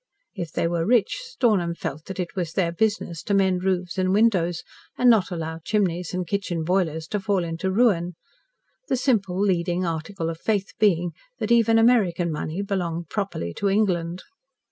If they were rich, Stornham felt that it was their business to mend roofs and windows and not allow chimneys and kitchen boilers to fall into ruin, the simple, leading article of faith being that even American money belonged properly to England.